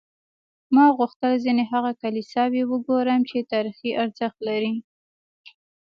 ما غوښتل ځینې هغه کلیساوې وګورم چې تاریخي ارزښت لري.